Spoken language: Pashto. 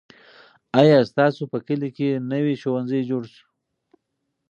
آیا ستاسو په کلي کې نوی ښوونځی جوړ سو؟